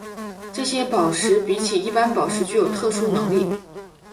这些宝石比起一般宝石具有特殊能力。